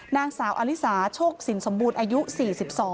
นางสาวอลิสาโชคสินสมบูรณ์อายุ๔๒